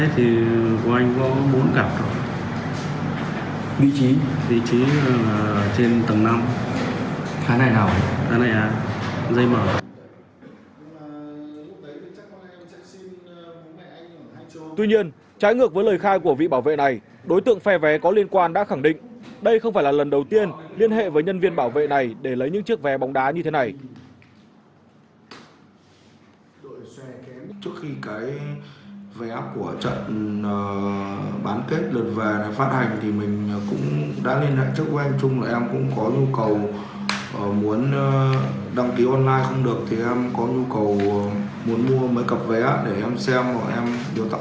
tại cơ quan công an đối tượng vẫn không chịu thừa nhận hành vi của mình và khẳng định đây là vé theo chế độ được cơ quan cấp cho